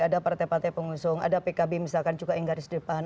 ada partai partai pengusung ada pkb misalkan juga yang garis depan